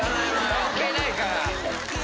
関係ないから！